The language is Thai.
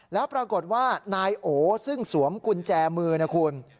แล้วปรากฏว่านายโอซึ่งสวมกุญแจมือนะคุณ